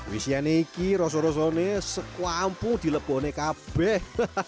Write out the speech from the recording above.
wisian ini roso roso ini sekwampu dileponnya kabeh